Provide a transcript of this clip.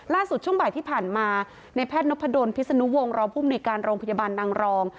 ช่วงบ่ายที่ผ่านมาในแพทย์นพดลพิศนุวงศ์รองภูมิหน่วยการโรงพยาบาลนางรอง